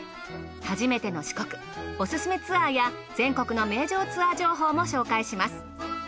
初めての四国オススメツアーや全国の名城ツアー情報も紹介します。